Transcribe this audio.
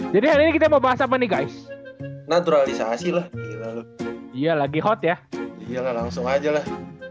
jadi hari ini kita mau bahas apa nih guys naturalisasi lagi hot ya langsung aja lah